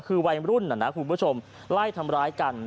คือวัยรุ่นน่ะนะคุณผู้ชมไล่ทำร้ายกัน